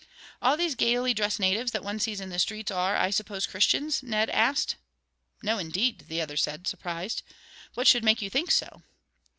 "All these gaily dressed natives that one sees in the streets are, I suppose, Christians?" Ned asked. "No, indeed," the other said surprised. "What should make you think so?"